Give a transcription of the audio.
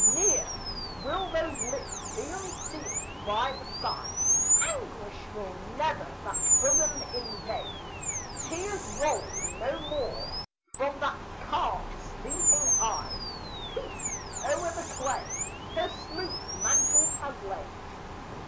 Ne'er will those lips be unsealed by the sigh: Anguish will never that bosom invade: Tears roll no more from that calm sleeping eye: Peace o'er the clay her smooth mantle has laid.